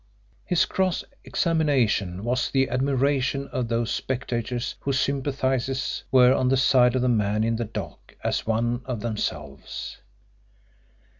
His cross examination was the admiration of those spectators whose sympathies were on the side of the man in the dock as one of themselves.